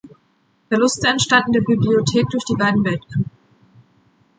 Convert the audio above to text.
Verluste entstanden der Bibliothek durch die beiden Weltkriege.